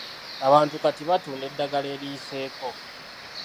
Abantu kati batunda eddagala eriyiseeko.